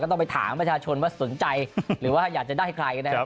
ต้องไปถามประชาชนว่าสนใจหรือว่าอยากจะได้ใครนะครับ